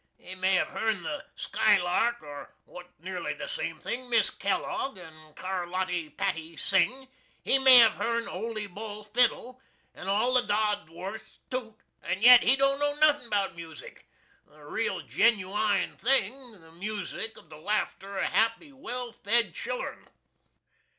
He may have hearn the skylark or (what's nearly the same thing) MISS KELLOGG and CARLOTTY PATTI sing; he may have hearn OLE BULL fiddle, and all the DODWORTHS toot, an' yet he don't know nothin' about music the real, ginuine thing the music of the laughter of happy, well fed children!